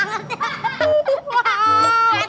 aduh kasihan banget